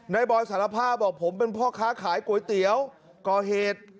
บอยสารภาพบอกผมเป็นพ่อค้าขายก๋วยเตี๋ยวก่อเหตุ